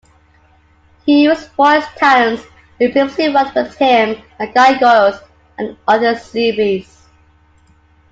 He used voice talents who previously worked with him on "Gargoyles" and other series.